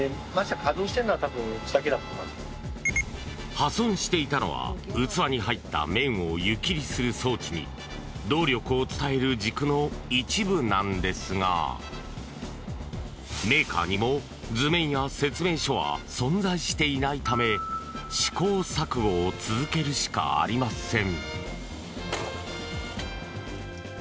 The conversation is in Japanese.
破損していたのは器に入った麺を湯切りする装置に動力を伝える軸の一部なのですがメーカーにも図面や説明書は存在していないため試行錯誤を続けるしかありません。